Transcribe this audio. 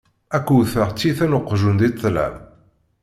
Ad k-wwteɣ tyita n uqjun di ṭṭlam!